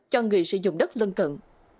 cho người sử dụng đất lân cận